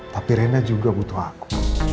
tapi rena juga butuh aku